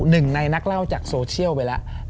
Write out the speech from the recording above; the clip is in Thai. หนึ่งในนักเล่าจากโซเชียลไปแล้ว